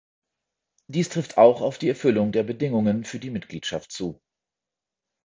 Dies trifft auch auf die Erfüllung der Bedingungen für die Mitgliedschaft zu.